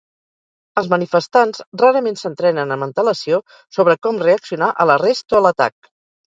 Els manifestants rarament s'entrenen amb antelació sobre com reaccionar a l'arrest o a l'atac.